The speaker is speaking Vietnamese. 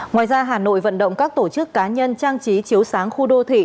ngoài ra hà nội vận động các tổ chức cá nhân trang trí chiếu sáng khu đô thị